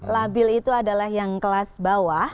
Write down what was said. labil itu adalah yang kelas bawah